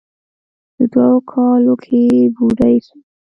دوو کالو کې بوډۍ سوه.